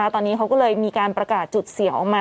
ตอนนี้เขาก็เลยมีการประกาศจุดเสี่ยงออกมา